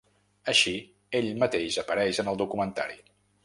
Així, ell mateix apareix en el documentari.